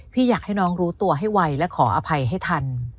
อยากให้น้องรู้ตัวให้ไวและขออภัยให้ทัน